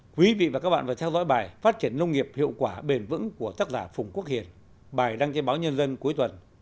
quý vị và các bạn vừa theo dõi bài phát triển nông nghiệp hiệu quả bền vững của tác giả phùng quốc hiền bài đăng trên báo nhân dân cuối tuần